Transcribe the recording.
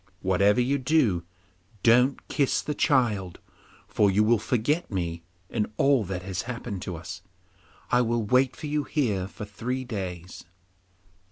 Whatever you do, don't kiss the child, or you will forget me and all that has happened to us. I will wait for you here for three days.